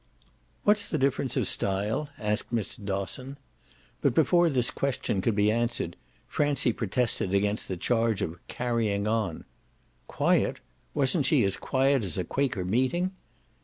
"What's the difference of style?" asked Mr. Dosson. But before this question could be answered Francie protested against the charge of "carrying on." Quiet? Wasn't she as quiet as a Quaker meeting?